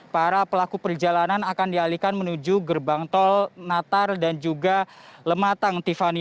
para pelaku perjalanan akan dialihkan menuju gerbang tol natar dan juga lematang tiffany